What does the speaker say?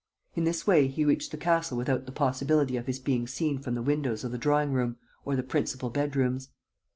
In this way, he reached the castle without the possibility of his being seen from the windows of the drawing room or the principal bedrooms.